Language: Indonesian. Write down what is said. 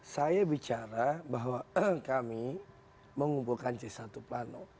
saya bicara bahwa kami mengumpulkan c satu plano